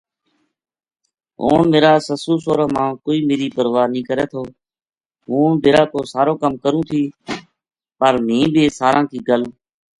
ہن میر ا سسُو سوہراں ما کوئی میری پرواہ نیہہ کرے تھو ہوں ڈیرا کو ساری کَم کروں تھی پر مھیں بے ساراں کی گل